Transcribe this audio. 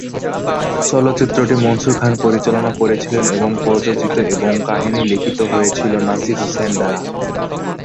চলচ্চিত্রটি মনসুর খান পরিচালনা করেছিলেন এবং প্রযোজিত এবং কাহিনী লিখিত হয়েছিলো নাসির হুসাইন দ্বারা।